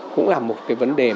cũng là một vấn đề